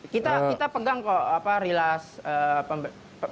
kita pegang kok rilas pemberitahuan putusan